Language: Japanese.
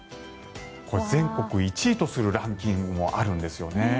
全国１位とするランキングもあるんですよね。